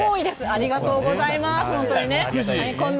ありがとうございます。